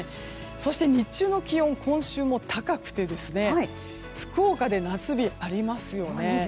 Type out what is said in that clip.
そして日中の気温、今週も高くて福岡で夏日がありますよね。